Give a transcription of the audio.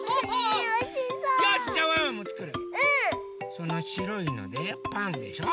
そのしろいのでパンでしょ？